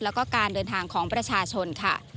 แล้วก็การเดินทางของประชาชนค่ะ